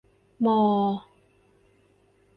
มอ